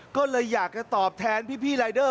ก็เลยอยากจะตอบแทนพี่รายเดอร์